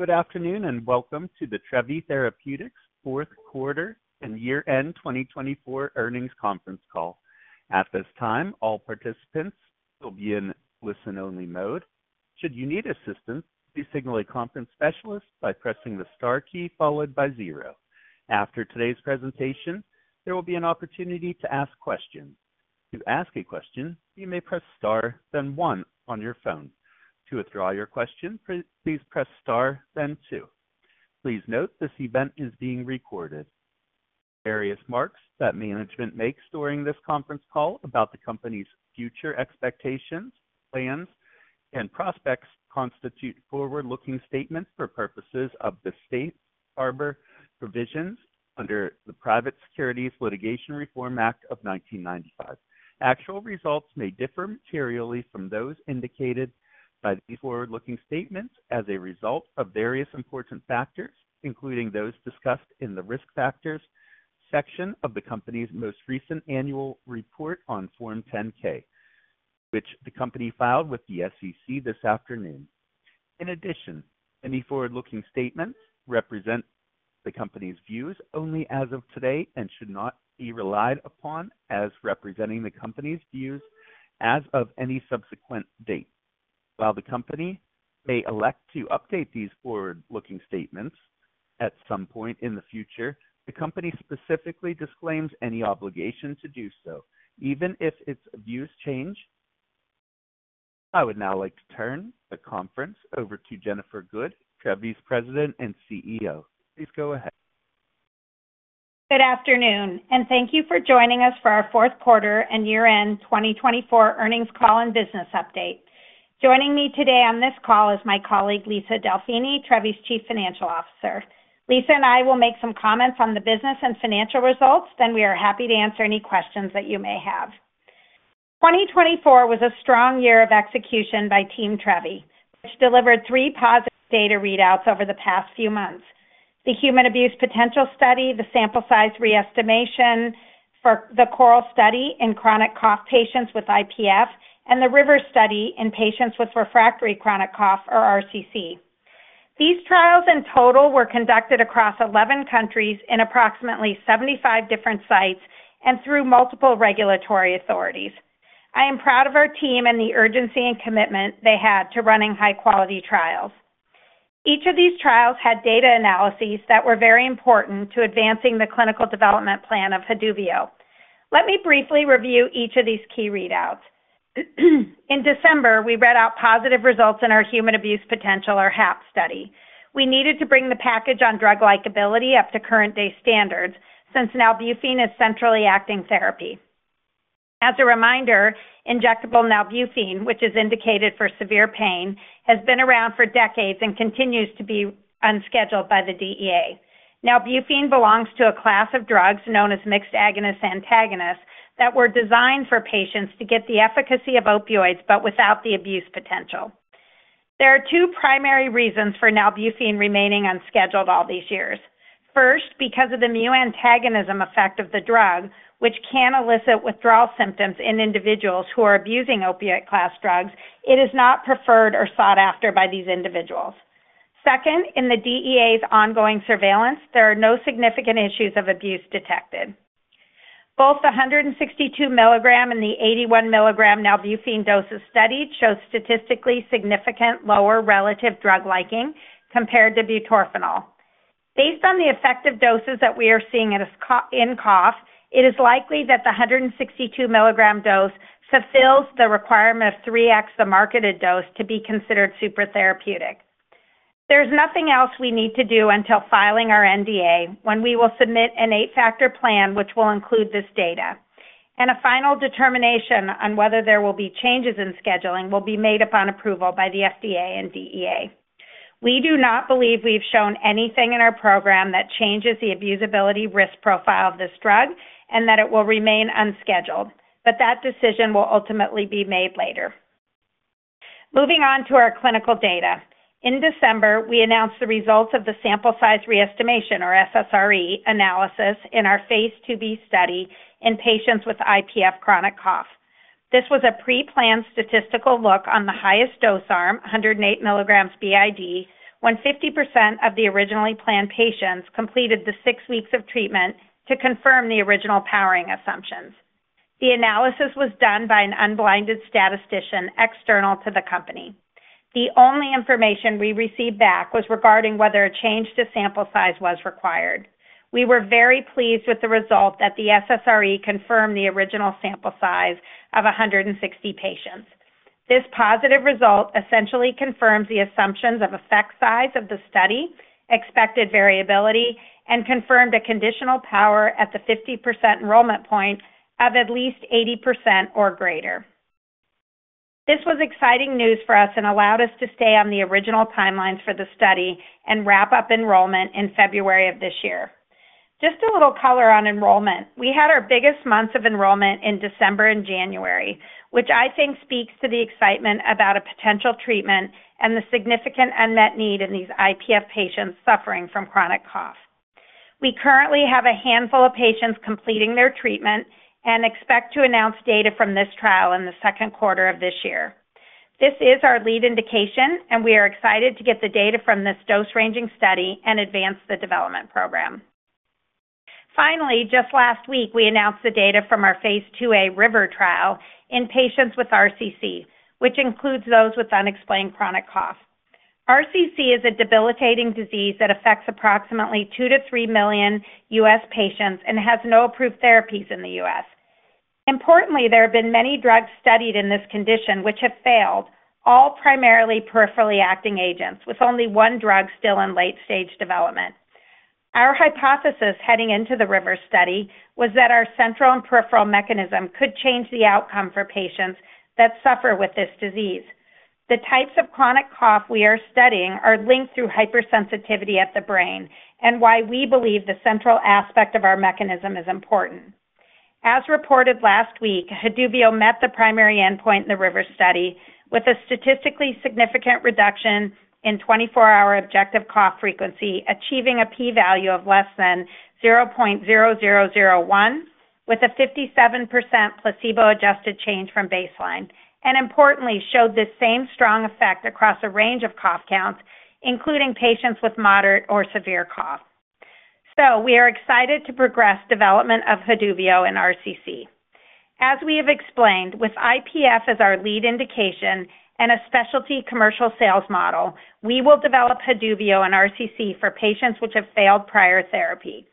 Good afternoon and welcome to the Trevi Therapeutics fourth quarter and year-end 2024 earnings conference call. At this time, all participants will be in listen-only mode. Should you need assistance, please signal a conference specialist by pressing the star key followed by zero. After today's presentation, there will be an opportunity to ask questions. To ask a question, you may press star, then one on your phone. To withdraw your question, please press star, then two. Please note this event is being recorded. Various marks that management makes during this conference call about the company's future expectations, plans, and prospects constitute forward-looking statements for purposes of the Safe Harbor Provisions under the Private Securities Litigation Reform Act of 1995. Actual results may differ materially from those indicated by these forward-looking statements as a result of various important factors, including those discussed in the risk factors section of the company's most recent annual report on Form 10-K, which the company filed with the SEC this afternoon. In addition, any forward-looking statements represent the company's views only as of today and should not be relied upon as representing the company's views as of any subsequent date. While the company may elect to update these forward-looking statements at some point in the future, the company specifically disclaims any obligation to do so, even if its views change. I would now like to turn the conference over to Jennifer Good, Trevi's President and CEO. Please go ahead. Good afternoon, and thank you for joining us for our fourth quarter and year-end 2024 earnings call and business update. Joining me today on this call is my colleague, Lisa Delfini, Trevi's Chief Financial Officer. Lisa and I will make some comments on the business and financial results, then we are happy to answer any questions that you may have. 2024 was a strong year of execution by team Trevi, which delivered three positive data readouts over the past few months: the Human Abuse Potential Study, the Sample Size Re-Estimation for the CORAL study in chronic cough patients with IPF, and the RIVER study in patients with Refractory Chronic Cough, or RCC. These trials in total were conducted across 11 countries in approximately 75 different sites and through multiple regulatory authorities. I am proud of our team and the urgency and commitment they had to running high-quality trials. Each of these trials had data analyses that were very important to advancing the clinical development plan of Haduvio. Let me briefly review each of these key readouts. In December, we read out positive results in our Human Abuse Potential, or HAP study. We needed to bring the package on drug likability up to current-day standards since nalbuphine is centrally acting therapy. As a reminder, injectable nalbuphine, which is indicated for severe pain, has been around for decades and continues to be unscheduled by the DEA. Nalbuphine belongs to a class of drugs known as mixed agonist-antagonists that were designed for patients to get the efficacy of opioids but without the abuse potential. There are two primary reasons for nalbuphine remaining unscheduled all these years. First, because of the mu-antagonism effect of the drug, which can elicit withdrawal symptoms in individuals who are abusing opioid-class drugs, it is not preferred or sought after by these individuals. Second, in the DEA's ongoing surveillance, there are no significant issues of abuse detected. Both the 162 mg and the 81 mg nalbuphine doses studied show statistically significant lower relative "Drug Liking" compared to butorphanol. Based on the effective doses that we are seeing in cough, it is likely that the 162 mg dose fulfills the requirement of 3x the marketed dose to be considered supratherapeutic. There is nothing else we need to do until filing our NDA when we will submit an eight-factor plan, which will include this data. A final determination on whether there will be changes in scheduling will be made upon approval by the FDA and DEA. We do not believe we have shown anything in our program that changes the abusability risk profile of this drug and that it will remain unscheduled, but that decision will ultimately be made later. Moving on to our clinical data. In December, we announced the results of the Sample Size Re-Estimation, or SSRE, analysis in our phase II-B study in patients with IPF chronic cough. This was a pre-planned statistical look on the highest dose arm, 108 mg BID, when 50% of the originally planned patients completed the six weeks of treatment to confirm the original powering assumptions. The analysis was done by an unblinded statistician external to the company. The only information we received back was regarding whether a change to sample size was required. We were very pleased with the result that the SSRE confirmed the original sample size of 160 patients. This positive result essentially confirms the assumptions of effect size of the study, expected variability, and confirmed a conditional power at the 50% enrollment point of at least 80% or greater. This was exciting news for us and allowed us to stay on the original timelines for the study and wrap up enrollment in February of this year. Just a little color on enrollment. We had our biggest months of enrollment in December and January, which I think speaks to the excitement about a potential treatment and the significant unmet need in these IPF patients suffering from chronic cough. We currently have a handful of patients completing their treatment and expect to announce data from this trial in the second quarter of this year. This is our lead indication, and we are excited to get the data from this dose-ranging study and advance the development program. Finally, just last week, we announced the data from our phase II-A RIVER trial in patients with RCC, which includes those with unexplained chronic cough. RCC is a debilitating disease that affects approximately 2 million-3 million U.S. patients and has no approved therapies in the U.S. Importantly, there have been many drugs studied in this condition which have failed, all primarily peripherally acting agents, with only one drug still in late-stage development. Our hypothesis heading into the RIVER study was that our central and peripheral mechanism could change the outcome for patients that suffer with this disease. The types of chronic cough we are studying are linked through hypersensitivity at the brain and why we believe the central aspect of our mechanism is important. As reported last week, Haduvio met the primary endpoint in the RIVER study with a statistically significant reduction in 24-hour objective cough frequency, achieving a p-value of less than 0.0001, with a 57% placebo-adjusted change from baseline, and importantly, showed the same strong effect across a range of cough counts, including patients with moderate or severe cough. We are excited to progress development of Haduvio in RCC. As we have explained, with IPF as our lead indication and a specialty commercial sales model, we will develop Haduvio in RCC for patients which have failed prior therapy.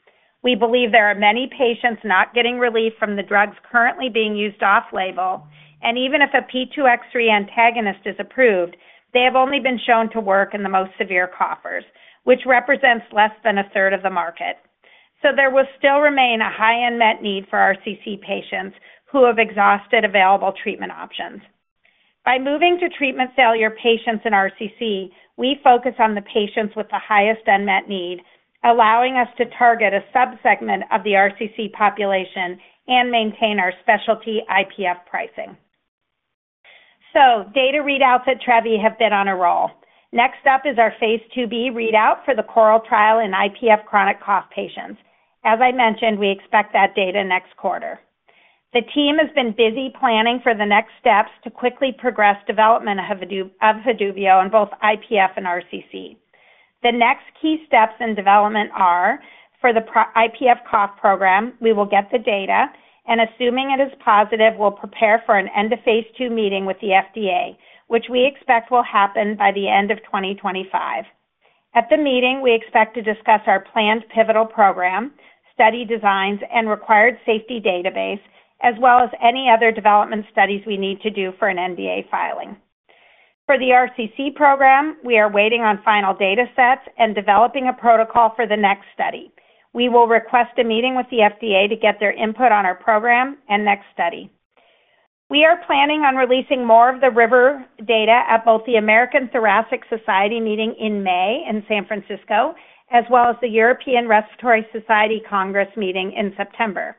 We believe there are many patients not getting relief from the drugs currently being used off-label, and even if a P2X3 antagonist is approved, they have only been shown to work in the most severe coughers, which represents less than a third of the market. There will still remain a high unmet need for RCC patients who have exhausted available treatment options. By moving to treatment failure patients in RCC, we focus on the patients with the highest unmet need, allowing us to target a subsegment of the RCC population and maintain our specialty IPF pricing. Data readouts at Trevi have been on a roll. Next up is our phase II-B readout for the CORAL trial in IPF chronic cough patients. As I mentioned, we expect that data next quarter. The team has been busy planning for the next steps to quickly progress development of Haduvio in both IPF and RCC. The next key steps in development are for the IPF cough program. We will get the data, and assuming it is positive, we'll prepare for an end-of-phase II meeting with the FDA, which we expect will happen by the end of 2025. At the meeting, we expect to discuss our planned pivotal program, study designs, and required safety database, as well as any other development studies we need to do for an NDA filing. For the RCC program, we are waiting on final data sets and developing a protocol for the next study. We will request a meeting with the FDA to get their input on our program and next study. We are planning on releasing more of the RIVER data at both the American Thoracic Society meeting in May in San Francisco, as well as the European Respiratory Society Congress meeting in September.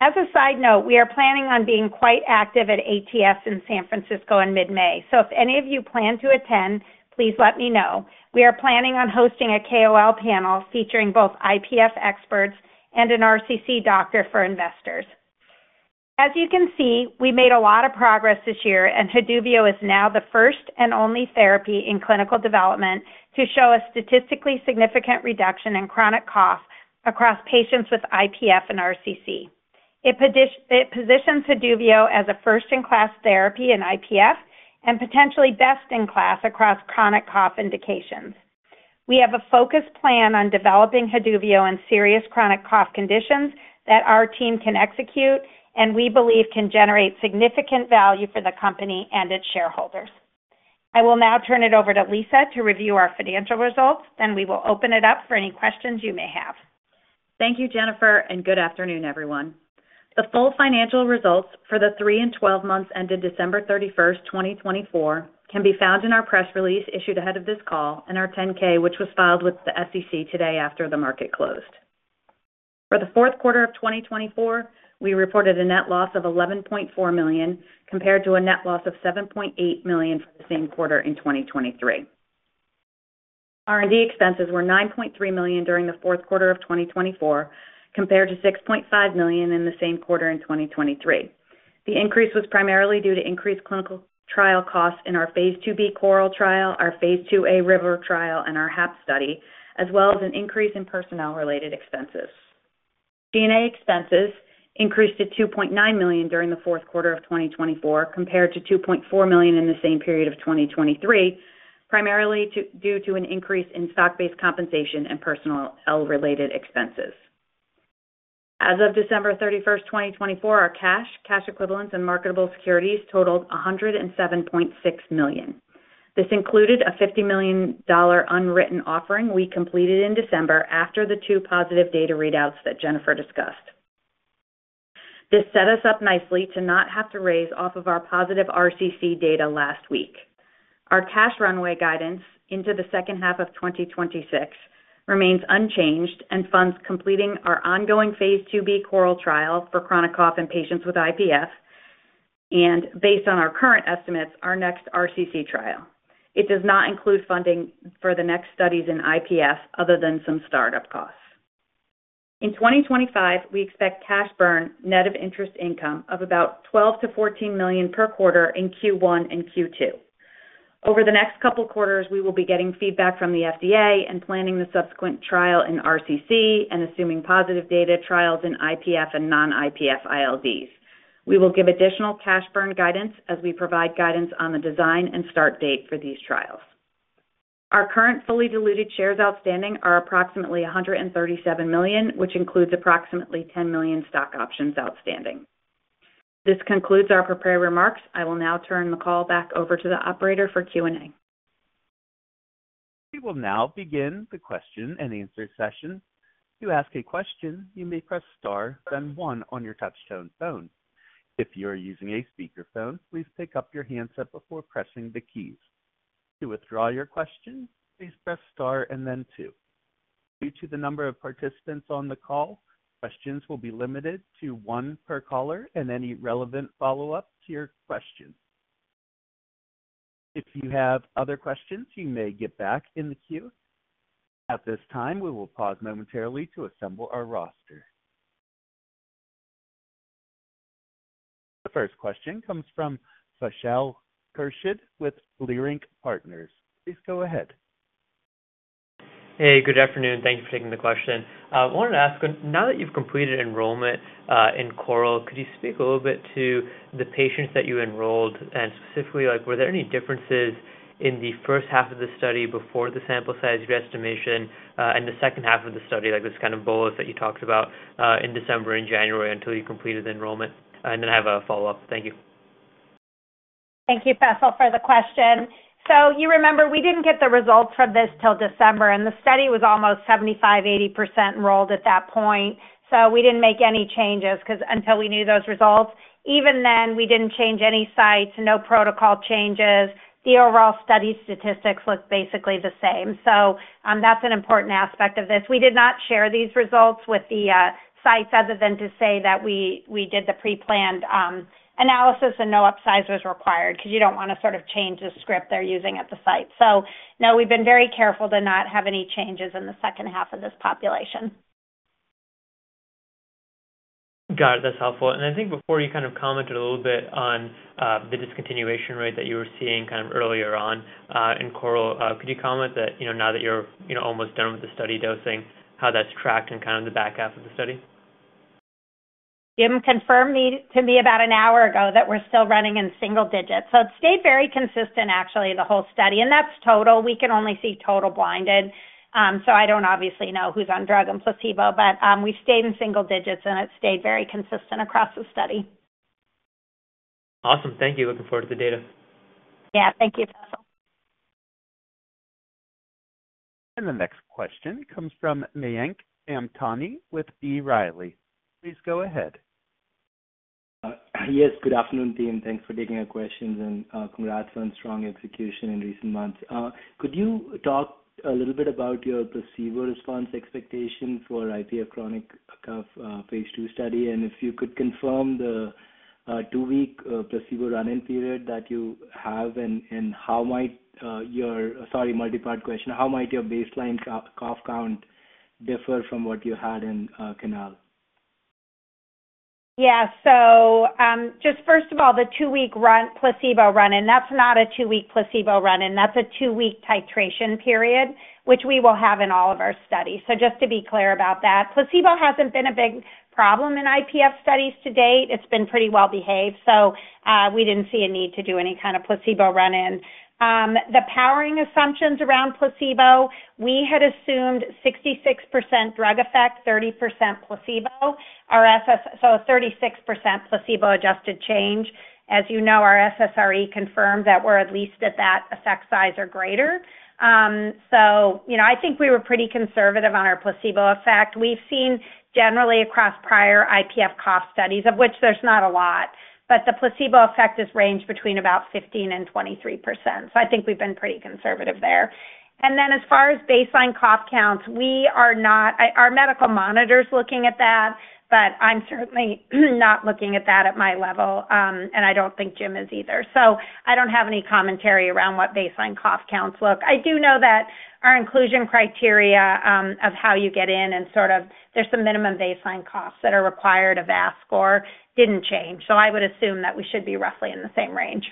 As a side note, we are planning on being quite active at ATS in San Francisco in mid-May. If any of you plan to attend, please let me know. We are planning on hosting a KOL panel featuring both IPF experts and an RCC doctor for investors. As you can see, we made a lot of progress this year, and Haduvio is now the first and only therapy in clinical development to show a statistically significant reduction in chronic cough across patients with IPF and RCC. It positions Haduvio as a first-in-class therapy in IPF and potentially best-in-class across chronic cough indications. We have a focused plan on developing Haduvio in serious chronic cough conditions that our team can execute and we believe can generate significant value for the company and its shareholders. I will now turn it over to Lisa to review our financial results, then we will open it up for any questions you may have. Thank you, Jennifer, and good afternoon, everyone. The full financial results for the three and 12 months ended December 31st, 2024, can be found in our press release issued ahead of this call and our 10-K, which was filed with the SEC today after the market closed. For the fourth quarter of 2024, we reported a net loss of $11.4 million compared to a net loss of $7.8 million for the same quarter in 2023. R&D expenses were $9.3 million during the fourth quarter of 2024 compared to $6.5 million in the same quarter in 2023. The increase was primarily due to increased clinical trial costs in our phase II-B CORAL trial, our phase II-A RIVER trial, and our HAP study, as well as an increase in personnel-related expenses. G&A expenses increased to $2.9 million during the fourth quarter of 2024 compared to $2.4 million in the same period of 2023, primarily due to an increase in stock-based compensation and personnel-related expenses. As of December 31st, 2024, our cash, cash equivalents, and marketable securities totaled $107.6 million. This included a $50 million underwritten offering we completed in December after the two positive data readouts that Jennifer discussed. This set us up nicely to not have to raise off of our positive RCC data last week. Our cash runway guidance into the second half of 2026 remains unchanged and funds completing our ongoing phase II-B CORAL trial for chronic cough in patients with IPF and, based on our current estimates, our next RCC trial. It does not include funding for the next studies in IPF other than some startup costs. In 2025, we expect cash burn net of interest income of about $12 million-$14 million per quarter in Q1 and Q2. Over the next couple of quarters, we will be getting feedback from the FDA and planning the subsequent trial in RCC and assuming positive data trials in IPF and non-IPF ILDs. We will give additional cash burn guidance as we provide guidance on the design and start date for these trials. Our current fully diluted shares outstanding are approximately 137 million, which includes approximately 10 million stock options outstanding. This concludes our prepared remarks. I will now turn the call back over to the Operator for Q&A. We will now begin the question-and-answer session. To ask a question, you may press star then one on your touch-tone phone. If you are using a speakerphone, please pick up your handset before pressing the keys. To withdraw your question, please press star and then two. Due to the number of participants on the call, questions will be limited to one per caller and any relevant follow-up to your question. If you have other questions, you may get back in the queue. At this time, we will pause momentarily to assemble our roster. The first question comes from Faisal Khurshid with Leerink Partners. Please go ahead. Hey, good afternoon. Thank you for taking the question. I wanted to ask, now that you've completed enrollment in CORAL, could you speak a little bit to the patients that you enrolled and specifically, were there any differences in the first half of the study before the Sample Size Re-Estimation and the second half of the study, this kind of bolus that you talked about in December and January until you completed enrollment? I have a follow-up. Thank you. Thank you, Faisal, for the question. You remember we didn't get the results from this till December, and the study was almost 75%-80% enrolled at that point. We didn't make any changes because until we knew those results, even then, we didn't change any sites, no protocol changes. The overall study statistics looked basically the same. That's an important aspect of this. We did not share these results with the sites other than to say that we did the pre-planned analysis and no upsize was required because you don't want to sort of change the script they're using at the site. No, we've been very careful to not have any changes in the second half of this population. Got it. That's helpful. I think before you kind of commented a little bit on the discontinuation rate that you were seeing kind of earlier on in CORAL, could you comment that now that you're almost done with the study dosing, how that's tracked in kind of the back half of the study? Jim confirmed to me about an hour ago that we're still running in single digits. It stayed very consistent, actually, the whole study. That is total. We can only see total blinded. I do not obviously know who's on drug and placebo, but we stayed in single digits, and it stayed very consistent across the study. Awesome. Thank you. Looking forward to the data. Yeah. Thank you, Faisal. The next question comes from Mayank Mamtani with B. Riley. Please go ahead. Yes. Good afternoon, team. Thanks for taking our questions and congrats on strong execution in recent months. Could you talk a little bit about your placebo response expectation for IPF chronic cough phase II study and if you could confirm the two-week placebo run-in period that you have and how might your—sorry, multi-part question—how might your baseline cough count differ from what you had in CORAL? Yeah. Just first of all, the two-week placebo run-in, that's not a two-week placebo run-in. That's a two-week titration period, which we will have in all of our studies. Just to be clear about that, placebo hasn't been a big problem in IPF studies to date. It's been pretty well-behaved. We didn't see a need to do any kind of placebo run-in. The powering assumptions around placebo, we had assumed 66% drug effect, 30% placebo, so a 36% placebo-adjusted change. As you know, our SSRE confirmed that we're at least at that effect size or greater. I think we were pretty conservative on our placebo effect. We've seen generally across prior IPF cough studies, of which there's not a lot, but the placebo effect has ranged between about 15% and 23%. I think we've been pretty conservative there. As far as baseline cough counts, we are not—our medical monitor is looking at that, but I'm certainly not looking at that at my level, and I don't think Jim is either. I don't have any commentary around what baseline cough counts look. I do know that our inclusion criteria of how you get in and sort of there's some minimum baseline coughs that are required, a VAS score didn't change. I would assume that we should be roughly in the same range.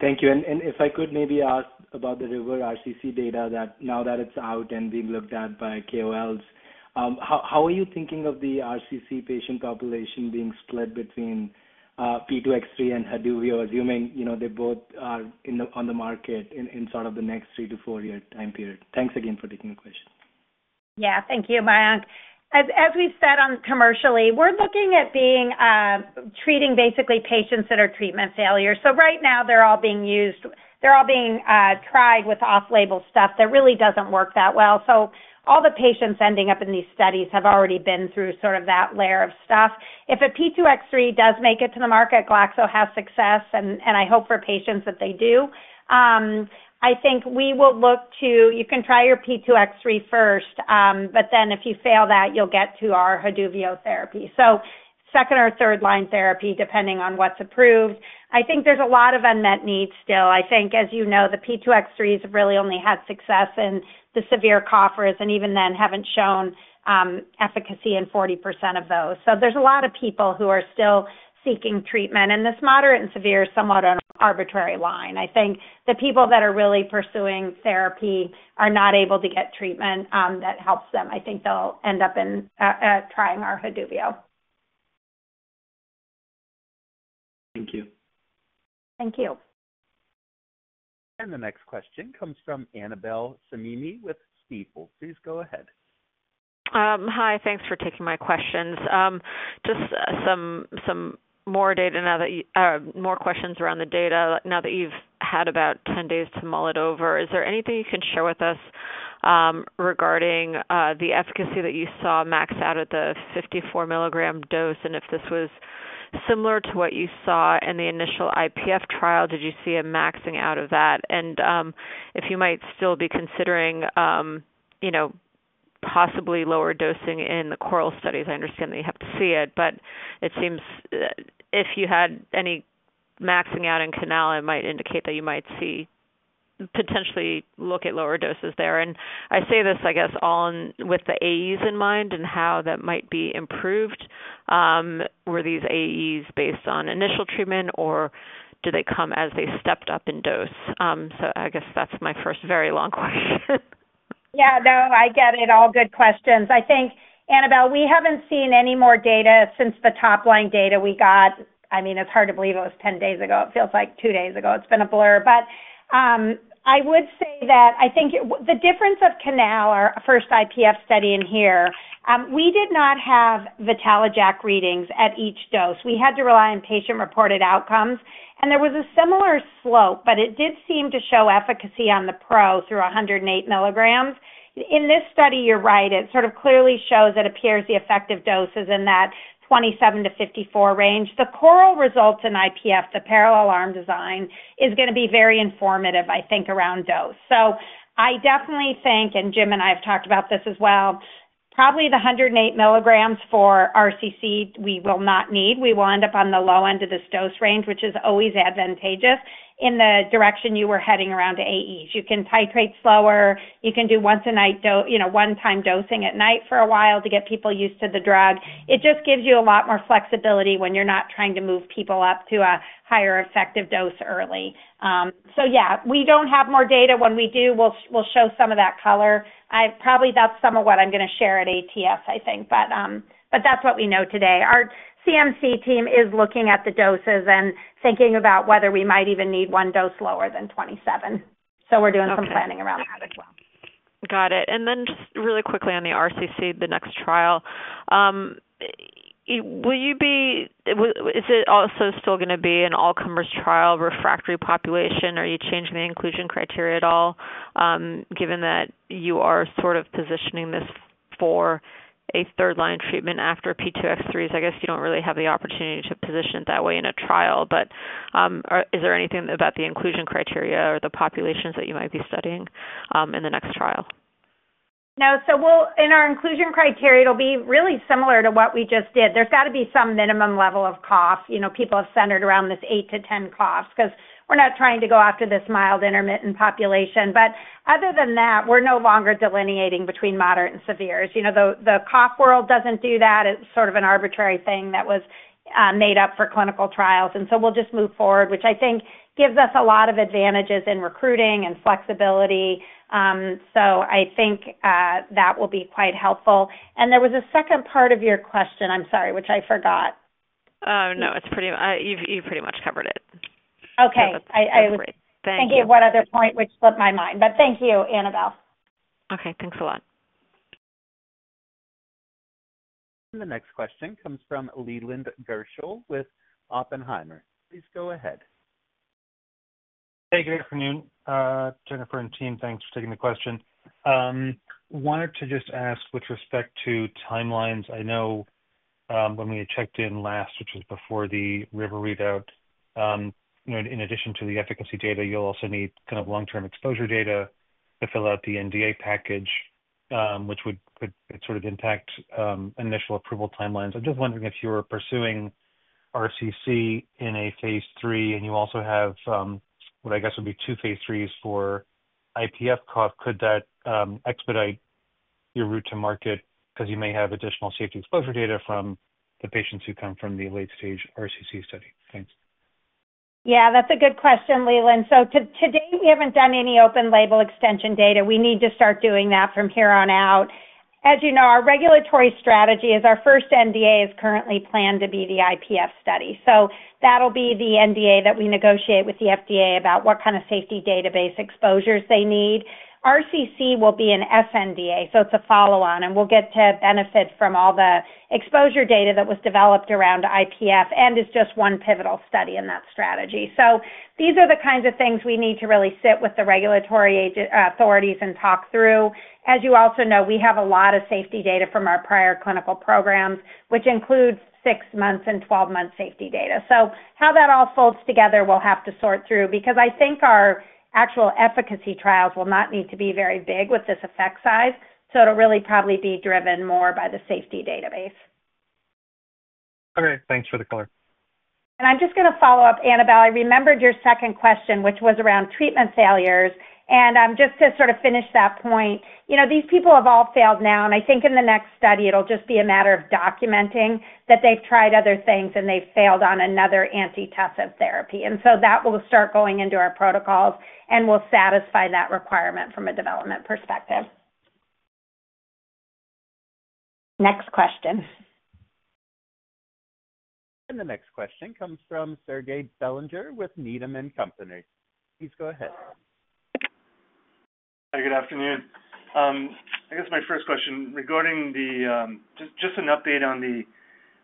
Thank you. If I could maybe ask about the RIVER RCC data, now that it's out and being looked at by KOLs, how are you thinking of the RCC patient population being split between P2X3 and Haduvio, assuming they both are on the market in sort of the next three to four-year time period? Thanks again for taking the question. Yeah. Thank you, Mayank. As we said on commercially, we're looking at treating basically patients that are treatment failure. Right now, they're all being used—they're all being tried with off-label stuff that really doesn't work that well. All the patients ending up in these studies have already been through sort of that layer of stuff. If a P2X3 does make it to the market, Glaxo has success, and I hope for patients that they do. I think we will look to—you can try your P2X3 first, but if you fail that, you'll get to our Haduvio therapy. Second or third-line therapy, depending on what's approved. I think there's a lot of unmet needs still. I think, as you know, the P2X3s have really only had success in the severe coughers and even then haven't shown efficacy in 40% of those. There are a lot of people who are still seeking treatment. This moderate and severe is somewhat on an arbitrary line. I think the people that are really pursuing therapy are not able to get treatment that helps them. I think they'll end up in trying our Haduvio. Thank you. Thank you. The next question comes from Annabel Samimy with Stifel. Please go ahead. Hi. Thanks for taking my questions. Just some more data now that you—more questions around the data now that you've had about 10 days to mull it over. Is there anything you can share with us regarding the efficacy that you saw max out at the 54 mg dose? If this was similar to what you saw in the initial IPF trial, did you see a maxing out of that? If you might still be considering possibly lower dosing in the CORAL studies, I understand that you have to see it, but it seems if you had any maxing out in CORAL, it might indicate that you might see potentially look at lower doses there. I say this, I guess, all with the AEs in mind and how that might be improved. Were these AEs based on initial treatment, or did they come as they stepped up in dose? I guess that's my first very long question. Yeah. No, I get it. All good questions. I think, Annabel, we haven't seen any more data since the top-line data we got. I mean, it's hard to believe it was 10 days ago. It feels like two days ago. It's been a blur. I would say that I think the difference of our first IPF study in here, we did not have VitaloJAK readings at each dose. We had to rely on patient-reported outcomes, and there was a similar slope, but it did seem to show efficacy on the PRO through 108 mg. In this study, you're right. It sort of clearly shows it appears the effective dose is in that 27-54 range. The CORAL results in IPF, the parallel arm design, is going to be very informative, I think, around dose. I definitely think—and Jim and I have talked about this as well—probably the 108 mg for RCC we will not need. We will end up on the low end of this dose range, which is always advantageous in the direction you were heading around to AEs. You can titrate slower. You can do once-a-night, one-time dosing at night for a while to get people used to the drug. It just gives you a lot more flexibility when you're not trying to move people up to a higher effective dose early. Yeah, we don't have more data. When we do, we'll show some of that color. Probably that's some of what I'm going to share at ATS, I think. That's what we know today. Our CMC team is looking at the doses and thinking about whether we might even need one dose lower than 27. We're doing some planning around that as well. Got it. And then just really quickly on the RCC, the next trial, will you be—is it also still going to be an all-comers trial, refractory population? Are you changing the inclusion criteria at all, given that you are sort of positioning this for a third-line treatment after P2X3s? I guess you do not really have the opportunity to position it that way in a trial, but is there anything about the inclusion criteria or the populations that you might be studying in the next trial? No. In our inclusion criteria, it will be really similar to what we just did. There has got to be some minimum level of cough. People have centered around this 8-10 coughs because we are not trying to go after this mild intermittent population. Other than that, we are no longer delineating between moderate and severe. The cough world does not do that. It is sort of an arbitrary thing that was made up for clinical trials. We will just move forward, which I think gives us a lot of advantages in recruiting and flexibility. I think that will be quite helpful. There was a second part of your question, I am sorry, which I forgot. Oh, no. You pretty much covered it. Okay. I was. That's great. Thank you. Thank you. One other point which slipped my mind. Thank you, Annabel. Okay. Thanks a lot. The next question comes from Leland Gershell with Oppenheimer. Please go ahead. Hey, good afternoon, Jennifer and team. Thanks for taking the question. Wanted to just ask with respect to timelines. I know when we had checked in last, which was before the RIVER readout, in addition to the efficacy data, you'll also need kind of long-term exposure data to fill out the NDA package, which would sort of impact initial approval timelines. I'm just wondering if you were pursuing RCC in a phase III and you also have what I guess would be two phase IIIs for IPF cough, could that expedite your route to market because you may have additional safety exposure data from the patients who come from the late-stage RCC study? Thanks. Yeah. That's a good question, Leland. To date, we haven't done any open-label extension data. We need to start doing that from here on out. As you know, our regulatory strategy is our first NDA is currently planned to be the IPF study. That'll be the NDA that we negotiate with the FDA about what kind of safety database exposures they need. RCC will be an sNDA, so it's a follow-on. We'll get to benefit from all the exposure data that was developed around IPF and is just one pivotal study in that strategy. These are the kinds of things we need to really sit with the regulatory authorities and talk through. As you also know, we have a lot of safety data from our prior clinical programs, which includes six-month and 12-month safety data. How that all folds together, we'll have to sort through because I think our actual efficacy trials will not need to be very big with this effect size. It'll really probably be driven more by the safety database. All right. Thanks for the color. I am just going to follow up, Annabel. I remembered your second question, which was around treatment failures. Just to sort of finish that point, these people have all failed now. I think in the next study, it will just be a matter of documenting that they have tried other things and they have failed on another antitussive therapy. That will start going into our protocols and will satisfy that requirement from a development perspective. Next question. The next question comes from Serge Belanger with Needham & Company. Please go ahead. Hi, good afternoon. I guess my first question regarding just an update on the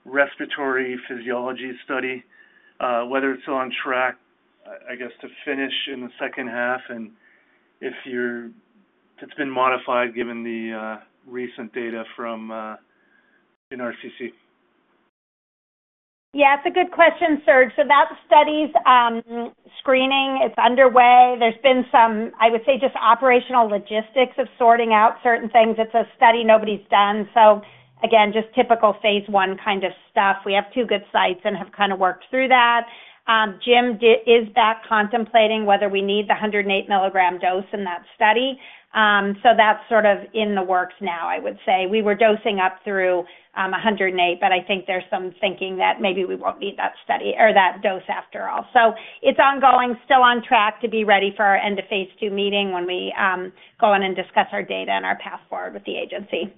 respiratory physiology study, whether it's still on track, I guess, to finish in the second half and if it's been modified given the recent data from RCC. Yeah. It's a good question, Serge. That study's screening, it's underway. There's been some, I would say, just operational logistics of sorting out certain things. It's a study nobody's done. Again, just typical phase I kind of stuff. We have two good sites and have kind of worked through that. Jim is back contemplating whether we need the 108 mg dose in that study. That's sort of in the works now, I would say. We were dosing up through 108, but I think there's some thinking that maybe we won't need that study or that dose after all. It's ongoing, still on track to be ready for our end-of-phase II meeting when we go in and discuss our data and our path forward with the agency.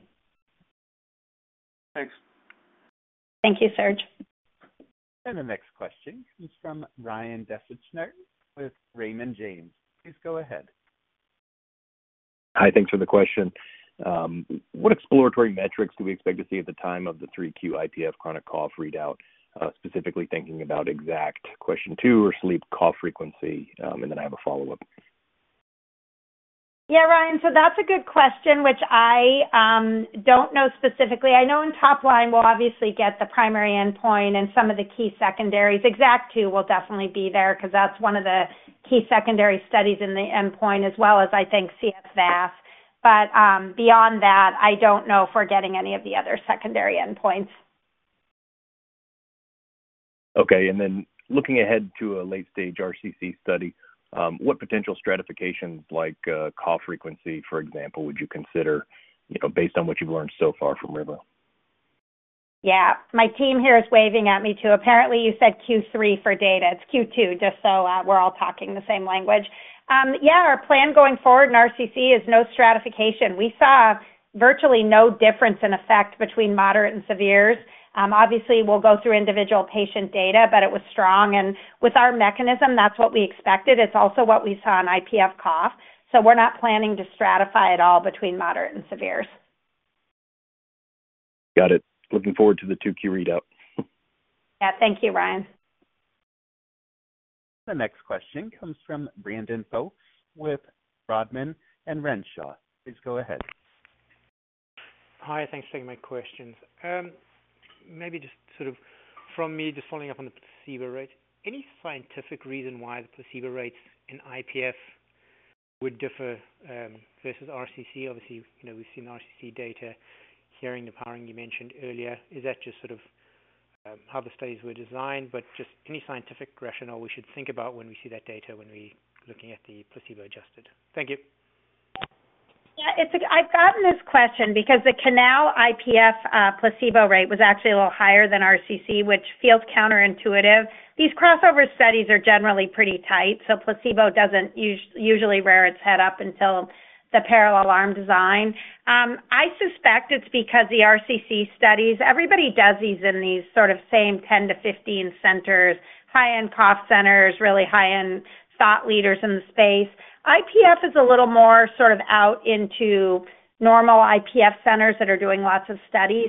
Thanks. Thank you, Serge. The next question comes from Ryan Deschner with Raymond James. Please go ahead. Hi, thanks for the question. What exploratory metrics do we expect to see at the time of the 3Q IPF chronic cough readout, specifically thinking about EXACT question two or sleep cough frequency? I have a follow up. Yeah, Ryan. That's a good question, which I don't know specifically. I know in top line, we'll obviously get the primary endpoint and some of the key secondaries. EXACT two will definitely be there because that's one of the key secondary studies in the endpoint as well as, I think, CF, VAS. Beyond that, I don't know if we're getting any of the other secondary endpoints. Okay. Looking ahead to a late-stage RCC study, what potential stratifications like cough frequency, for example, would you consider based on what you've learned so far from RIVER? Yeah. My team here is waving at me too. Apparently, you said Q3 for data. It's Q2, just so we're all talking the same language. Yeah, our plan going forward in RCC is no stratification. We saw virtually no difference in effect between moderate and severes. Obviously, we'll go through individual patient data, but it was strong. With our mechanism, that's what we expected. It's also what we saw in IPF cough. We are not planning to stratify at all between moderate and severes. Got it. Looking forward to the 2Q readout. Yeah. Thank you, Ryan. The next question comes from Brandon Folkes with Rodman & Renshaw. Please go ahead. Hi. Thanks for taking my questions. Maybe just sort of from me, just following up on the placebo rate, any scientific reason why the placebo rates in IPF would differ versus RCC? Obviously, we've seen RCC data, hearing the powering you mentioned earlier. Is that just sort of how the studies were designed? Just any scientific rationale we should think about when we see that data when we're looking at the placebo-adjusted? Thank you. Yeah. I've gotten this question because the CORAL IPF placebo rate was actually a little higher than RCC, which feels counterintuitive. These crossover studies are generally pretty tight, so placebo doesn't usually rear its head up until the parallel arm design. I suspect it's because the RCC studies—everybody does these in these sort of same 10-15 centers, high-end cough centers, really high-end thought leaders in the space. IPF is a little more sort of out into normal IPF centers that are doing lots of studies.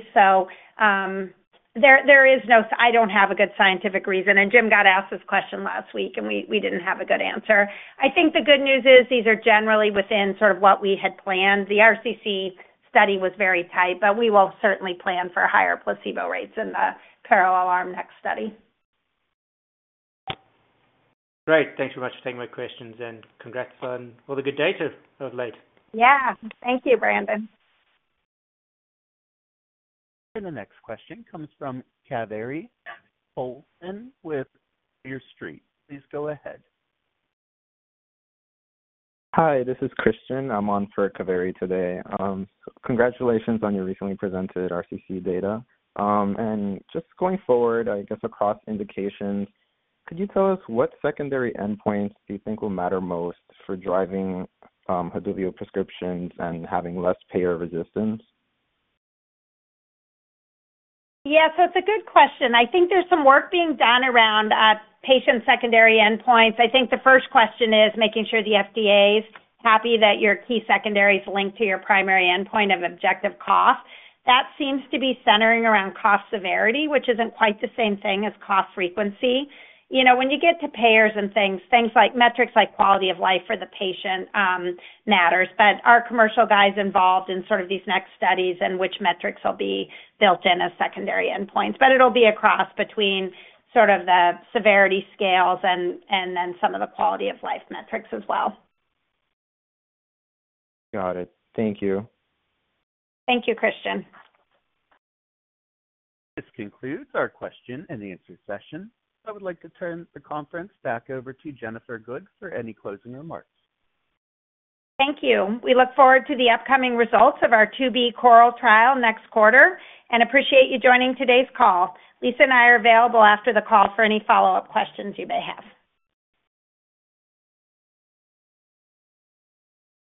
There is no—I don't have a good scientific reason. Jim got asked this question last week, and we didn't have a good answer. I think the good news is these are generally within sort of what we had planned. The RCC study was very tight, but we will certainly plan for higher placebo rates in the parallel arm next study. Great. Thanks very much for taking my questions. Congrats on all the good data of late. Yeah. Thank you, Brandon. The next question comes from Kaveri Pohlman with Clear Street. Please go ahead. Hi. This is Christian. I'm on for Kaveri today. Congratulations on your recently presented RCC data. Just going forward, I guess across indications, could you tell us what secondary endpoints do you think will matter most for driving Haduvio prescriptions and having less payer resistance? Yeah. It's a good question. I think there's some work being done around patient secondary endpoints. I think the first question is making sure the FDA is happy that your key secondary is linked to your primary endpoint of objective cough. That seems to be centering around cough severity, which isn't quite the same thing as cough frequency. When you get to payers and things, metrics like quality of life for the patient matters. Our commercial guy's involved in sort of these next studies and which metrics will be built in as secondary endpoints. It'll be across between sort of the severity scales and then some of the quality of life metrics as well. Got it. Thank you. Thank you, Christian. This concludes our question-and-answer session. I would like to turn the conference back over to Jennifer Good for any closing remarks. Thank you. We look forward to the upcoming results of our phase II-B CORAL trial next quarter and appreciate you joining today's call. Lisa and I are available after the call for any follow-up questions you may have.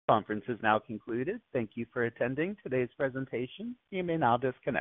The conference is now concluded. Thank you for attending today's presentation. You may now disconnect.